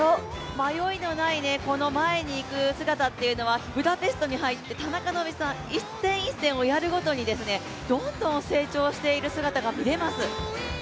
迷いのない前に行く姿っていうのはブダペストに入って田中希実さん、一戦一戦をやることにどんどん成長している姿が見れます。